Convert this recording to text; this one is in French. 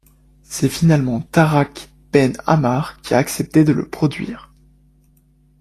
C'est finalement Tarak Ben Ammar qui a accepté de le produire.